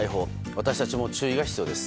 私たちも注意が必要です。